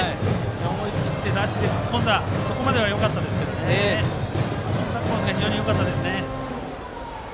思い切ってダッシュで突っ込んだそこまではよかったんですけどとんだコースが非常によかったです。